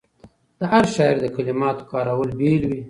د هر شاعر د کلماتو کارول بېل وي.